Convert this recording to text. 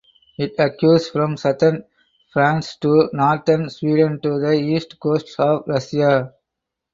It occurs from southern France to northern Sweden to the east coast of Russia.